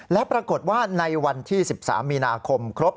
และปรากฏว่าในวันที่๑๓มีนาคมครบ